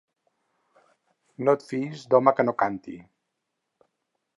No et fiïs d'home que no canti.